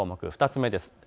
２つ目です。